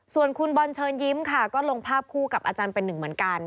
ส่วนคุณบอลเชิญยิ้มค่ะก็ลงภาพคู่กับอาจารย์เป็นหนึ่งเหมือนกัน